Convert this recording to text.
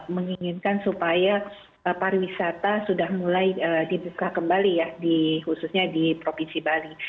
menginginkan supaya pariwisata sudah mulai dibuka kembali ya khususnya di provinsi bali